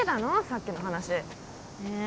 さっきの話ねえ